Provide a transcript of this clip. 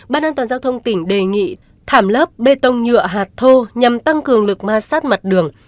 ban an toàn giao thông tỉnh đề nghị thảm lớp bê tông nhựa hạt thô nhằm tăng cường lực ma sát mặt đường